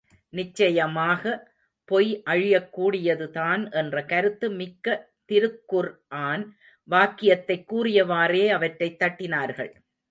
நிச்சயமாக பொய் அழியக் கூடியதுதான் என்ற கருத்து மிக்க திருக்குர்ஆன் வாக்கியத்தைக் கூறியவாறே அவற்றைத் தட்டினார்கள்.